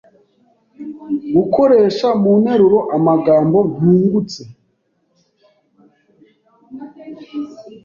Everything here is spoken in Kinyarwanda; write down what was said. Gukoresha mu nteruro amagambo nungutse.